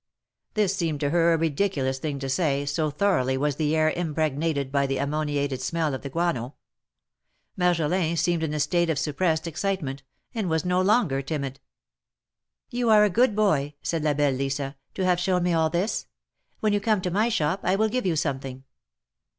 '^ This seemed to her a ridiculous thing to say, so thoroughly was the air impregnated by the amraoniated smell of the guano. Marjolin seemed in a state of sup pressed excitement, and was no longer timid. "You are a good boy," said La belle Lisa, "to have shown me all this. When you come to my shop I will give you something."